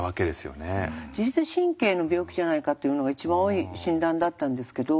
自律神経の病気じゃないかっていうのが一番多い診断だったんですけど